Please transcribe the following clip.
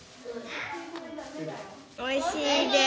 おいしいです。